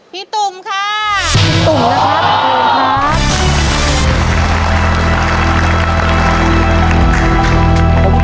พี่ตุ่มค่า